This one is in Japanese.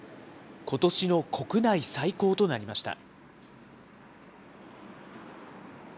ことしの国内最高となりました。